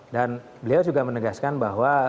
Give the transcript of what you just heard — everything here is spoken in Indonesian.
dan beliau juga menegaskan bahwa